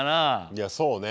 いやそうね。